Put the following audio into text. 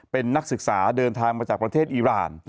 เป็นนักศึกษาเดินทางมาจากประเทศอีราน